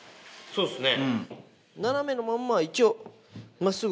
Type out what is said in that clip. そうっすね。